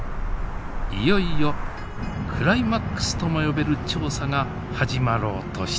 いよいよクライマックスとも呼べる調査が始まろうとしていました。